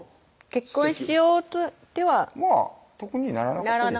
結婚しようとはまぁ特にならなくてですね